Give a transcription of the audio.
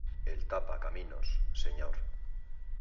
el tapa --- caminos, señor.